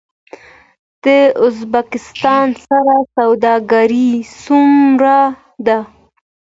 د ازبکستان سره سوداګري څومره ده؟